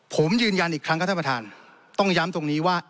ผมยืนยันอีกครั้งครับท่านประธานต้องย้ำตรงนี้ว่า